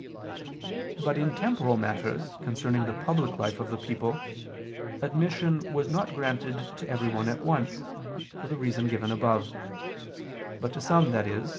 But in temporal matters concerning the public life of the people, admission was not granted to everyone at once, for the reason given above: but to some, i.e.